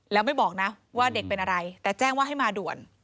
แล้วไม่บอกนะว่าเด็กเป็นอะไรแต่แจ้งว่าให้มาด่วน